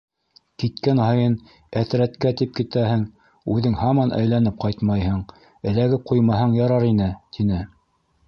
Киткән һайын әтрәткә тип китәһең, үҙең һаман әйләнеп ҡайтмайһың, эләгеп ҡуймаһаң ярар ине, — тине.